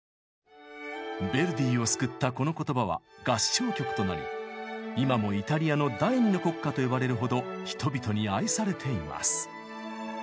ヴェルディを救ったこの言葉は合唱曲となり今もイタリアの第二の国歌と呼ばれるほど人々に愛されています。